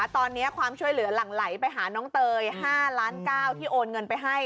ตอนนี้ความช่วยเหลือหลั่งไหลไปหาน้องเตย๕ล้าน๙๐๐ที่โอนเงินไปให้